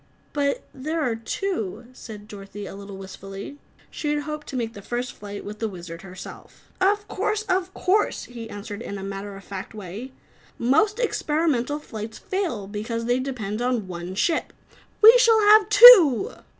"But there are two," said Dorothy a little wistfully. She had hoped to make the first flight with the Wizard, herself. "Of course, of course!" he answered in a matter of fact way. "Most experimental flights fail because they depend on one ship. We shall have two!"